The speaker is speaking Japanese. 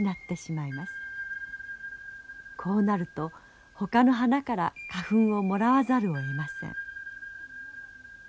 こうなるとほかの花から花粉をもらわざるをえません。